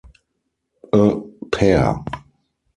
A pair.